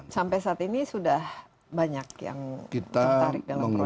sampai saat ini sudah banyak yang tertarik dalam proses